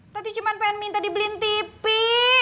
tadi cuma pengen minta dibeliin tv